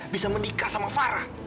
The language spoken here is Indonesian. bisa menikah sama farah